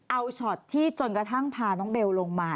เอาช็อตที่จนกระทั่งพาน้องเบลลงมา